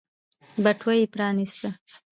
بټوه يې پرانيسته.